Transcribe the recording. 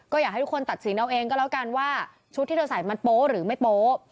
ก็อยากให้ทุกคนตัดสินเอาเองก็แล้วกันว่าชุดที่เธอใส่มันโป๊หรือไม่โป๊ะ